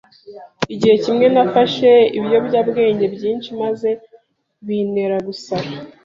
Igihe kimwe nafashe ibiyobyabwenge byinshi maze bintera gusara